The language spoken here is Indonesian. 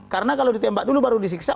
karena kalau ditembak dulu baru disiksa